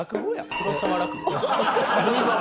黒澤落語？